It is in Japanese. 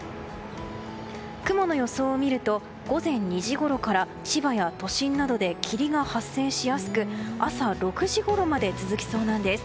雲の予想を見ると午前２時ごろから千葉や都心などで霧が発生しやすく朝６時ごろまで続きそうなんです。